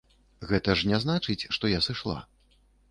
Гэта ж не значыць, што я сышла.